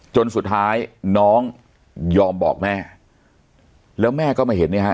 จนสุดท้ายน้องยอมบอกแม่แล้วแม่ก็มาเห็นเนี่ยฮะ